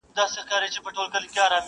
څنګه به دي یاره هېرومه نور ,